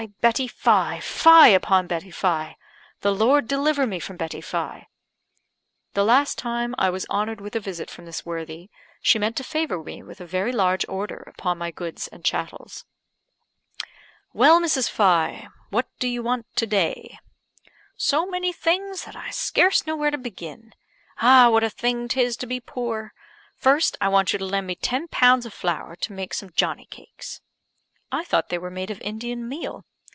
Betty Fye! Fye upon Betty Fye! The Lord deliver me from Betty Fye!" The last time I was honoured with a visit from this worthy, she meant to favour me with a very large order upon my goods and chattels. "Well, Mrs. Fye, what do you want to day?" "So many things that I scarce know where to begin. Ah, what a thing 'tis to be poor! First, I want you to lend me ten pounds of flour to make some Johnnie cakes." "I thought they were made of Indian meal?"